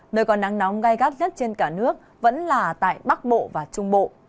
nơi có nắng nóng gai gắt nhất trên cả nước vẫn là tại bắc bộ và trung bộ